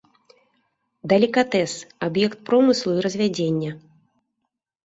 Далікатэс, аб'ект промыслу і развядзення.